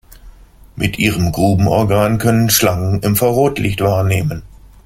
Mit ihrem Grubenorgan können Schlangen Infrarotlicht wahrnehmen.